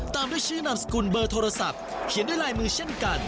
ตามด้วยชื่อนามสกุลเบอร์โทรศัพท์เขียนด้วยลายมือเช่นกัน